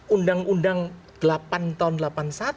undang undang delapan tahun